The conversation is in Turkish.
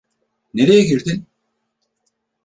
Nereye girdin?